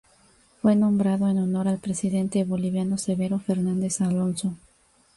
Fue nombrado en honor al presidente boliviano Severo Fernández Alonso.